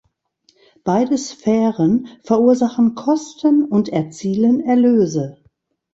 Beide Sphären verursachen Kosten und erzielen Erlöse.